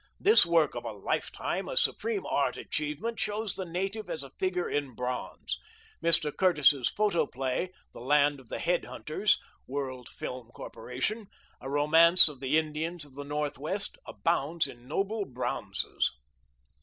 This work of a life time, a supreme art achievement, shows the native as a figure in bronze. Mr. Curtis' photoplay, The Land of the Head Hunters (World Film Corporation), a romance of the Indians of the North West, abounds in noble bronzes.